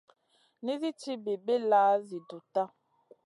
Nisi ci bilbilla zi dutta.